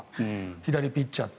左ピッチャーって。